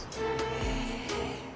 へえ。